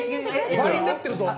倍になってるぞ。